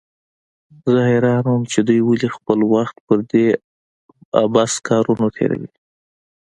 زه حيران وم چې دوى ولې خپل وخت پر دې عبثو کارونو تېروي.